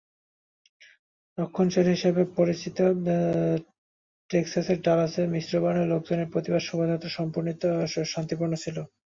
রক্ষণশীল হিসেবে পরিচিত টেক্সাসের ডালাসে মিশ্রবর্ণের লোকজনের প্রতিবাদ শোভাযাত্রা শান্তিপূর্ণ ছিল।